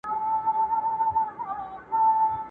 کرۍ شپه د خُم له څنګه سر پر سر یې نوشومه ..